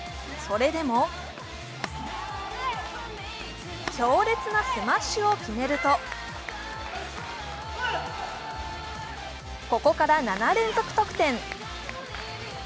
それでも強烈なスマッシュを決めるとここから７連続得点。